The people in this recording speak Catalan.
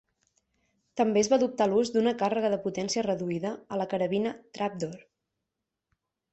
També es va adoptar l'ús d'una càrrega de potència reduïda a la carabina "trapdoor".